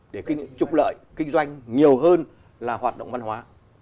để kinh trục lợi kinh doanh nhiều hơn là hoạt động văn hóa